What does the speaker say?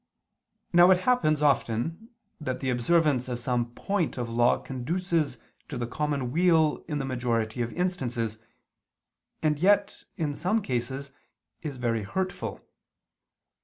Now it happens often that the observance of some point of law conduces to the common weal in the majority of instances, and yet, in some cases, is very hurtful.